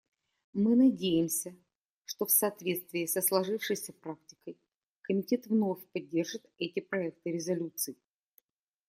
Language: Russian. Мы надеемся, что в соответствии со сложившейся практикой Комитет вновь поддержит эти проекты резолюций.